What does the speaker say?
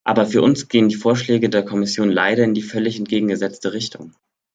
Aber für uns gehen die Vorschläge der Kommission leider in die völlig entgegengesetzte Richtung.